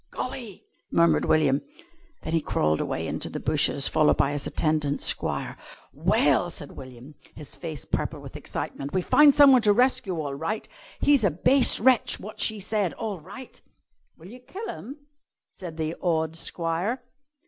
"Golly!" murmured William. Then he crawled away into the bushes, followed by his attendant squire. "Well," said William, his face purple with excitement, "we've found someone to rescue all right. He's a base wretch, wot she said, all right." "Will you kill him?" said the awed squire.